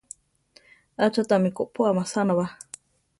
Acha tami kopóa masana ba?